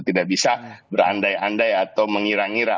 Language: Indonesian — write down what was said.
tidak bisa berandai andai atau mengira ngira